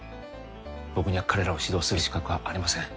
僕には彼らを指導する資格はありません